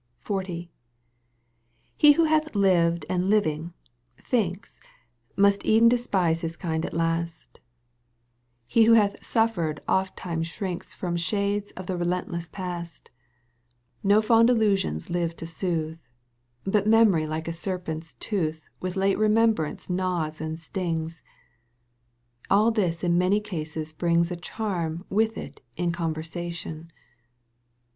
XL. • I He who hath lived and living, thinks, Must e'en despise his kind at last ; Digitized by VjOOQ 1С САЭТО I. EUGENE ON^GUINE. 25 He who hath suffered ofttimes shrinks From shades of the relentless past. N^o fond Шusions live to soothe, But memory like a serpent's tooth With late repentance gnaws and stings. AU this in many cases brings A charm with it in conversation.